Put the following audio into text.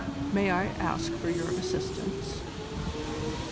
May I ask for your assistance?"